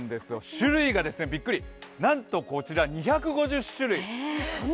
種類がびっくりなんと、こちら２５０種類。